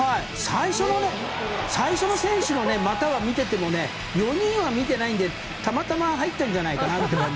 最初の選手の股を見てても４人は見てないのでたまたま入ったんじゃないかなという。